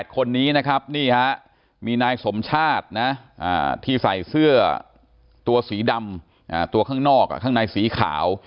คนนี้นะครับนี่ฮะมีนายสมชาตินะที่ใส่เสื้อตัวสีดำตัวข้างนอกข้างในสีขาว